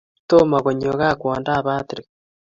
Tomo konyo gaa kwondoab patrick